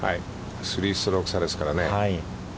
３ストローク差ですからね。